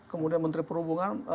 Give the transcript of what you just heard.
kemudian menteri perhubungan